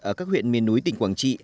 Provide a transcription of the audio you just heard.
ở các huyện miền núi tỉnh quảng trị